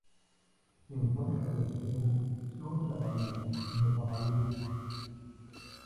Se encuentra en el extremo sur de la Bahía de Famagusta.